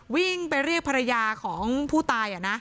วิ่งไปเรียกภรรยาของผู้ตาย